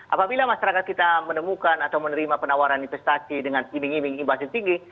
apabila masyarakat kita menemukan atau menerima penawaran investasi dengan iming iming imbas yang tinggi